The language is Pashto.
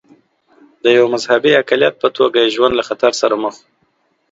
د یوه مذهبي اقلیت په توګه یې ژوند له خطر سره مخ و.